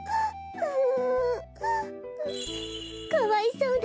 うん。